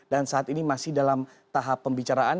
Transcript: dan saat ini masih dalam tahap pembicaraan